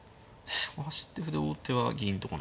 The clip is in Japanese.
走って歩で王手は銀とかなんですね。